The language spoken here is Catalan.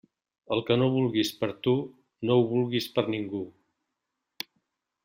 El que no vulguis per a tu, no ho vulguis per a ningú.